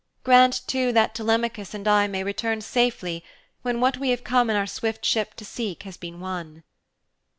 Grant, too, that Telemachus and I may return safely when what we have come in our swift ship to seek has been won.'